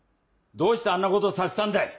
どうしてあんなことさせたんだい？